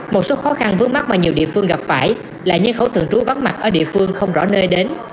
một số khó khăn vướng mắt mà nhiều địa phương gặp phải là nhân khẩu thường trú vắng mặt ở địa phương không rõ nơi đến